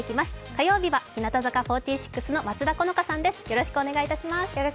火曜日は日向坂４６の松田好花さんです。